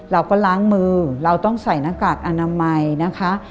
เราก็ล้างมือเราต้องใส่หน้ากากอนามัยนะคะ